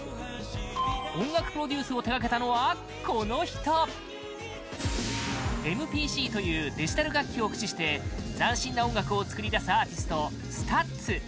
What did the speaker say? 音楽プロデュースを手掛けたのは、この人ＭＰＣというデジタル楽器を駆使して斬新な音楽を作り出すアーティスト、ＳＴＵＴＳ